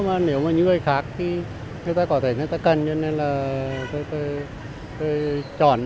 mà nếu như người khác thì người ta có thể người ta cần cho nên là tôi chọn